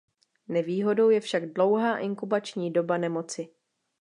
Nevýhodou je však dlouhá inkubační doba nemoci.